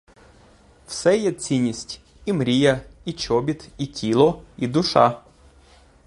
Все є цінність: і мрія, і чобіт, і тіло, і душа.